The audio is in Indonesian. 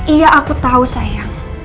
iya aku tahu sayang